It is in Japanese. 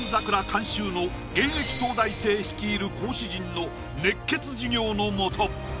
監修の現役東大生率いる講師陣の熱血授業の下